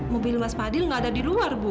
mobil mas padil gak ada di luar bu